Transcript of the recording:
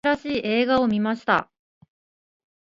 新しい映画を観ました。